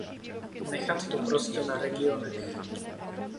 Nechat to prostě na regionech.